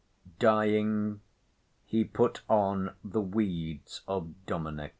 Dying he "put on the weeds of Dominic."